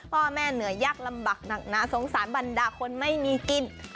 พ่อแม่เหนื่อยยากลำบากหนักหนาสงสารบรรดาคนไม่มีกิน